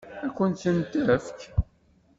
Ad kent-tent-tefk?